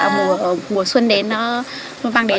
mùa xuân đến nó vang đến